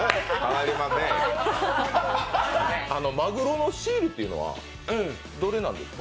マグロのシールというのはどれなんですか？